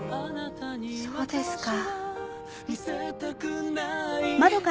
そうですか。